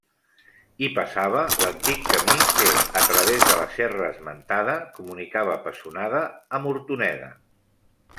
Hi passava l'antic camí que, a través de la serra esmentada, comunicava Pessonada amb Hortoneda.